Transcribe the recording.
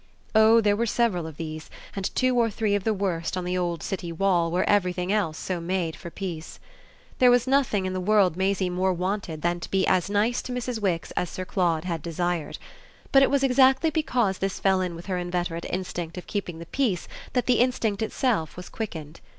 Oh there were several of these, and two or three of the worst on the old city wall where everything else so made for peace. There was nothing in the world Maisie more wanted than to be as nice to Mrs. Wix as Sir Claude had desired; but it was exactly because this fell in with her inveterate instinct of keeping the peace that the instinct itself was quickened.